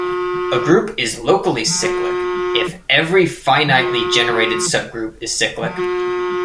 A group is locally cyclic if every finitely generated subgroup is cyclic.